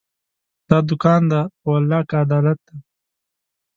دا دوکان دی، په والله که عدالت دی